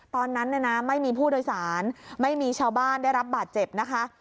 ตอนนั้นเนี่ยนะไม่มีผู้โดยสารไม่มีชาวบ้านได้รับบาดเจ็บนะคะ